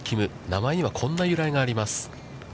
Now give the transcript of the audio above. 名前にはこんな由来があります。